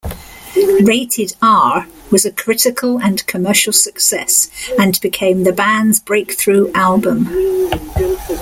"Rated R" was a critical and commercial success and became the band's breakthrough album.